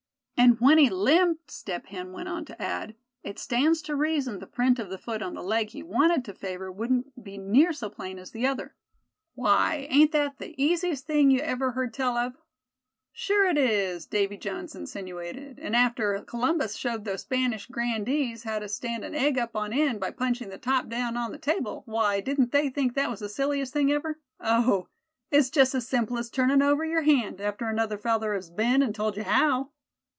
"And when he limped," Step Hen went on to add, "it stands to reason the print of the foot on the leg he wanted to favor wouldn't be near so plain as the other. Why ain't that the easiest thing you ever heard tell of?" "Sure it is," Davy Jones insinuated; "and after Columbus showed those Spanish grandees how to stand an egg up on end by punching the top down on the table, why, didn't they think that was the silliest thing ever? Oh! it's just as simple as turnin' over your hand—after another feller has been and told you how."